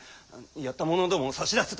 やった者どもを差し出せと。